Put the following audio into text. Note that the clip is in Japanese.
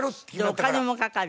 でお金もかかる？